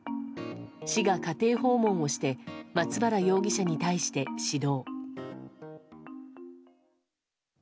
市が家庭訪問をして松原容疑者に対して指導。